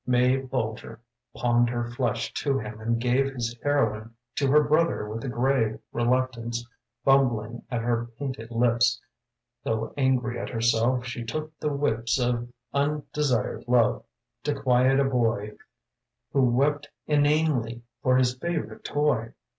May Bulger pawned her flesh to him and gave His heroin to her brother, with a grave Reluctance fumbling at her painted lips. Though angry at herself, she took the whips Of undesired love, to quiet a boy Who wept inanely for his favorite toy.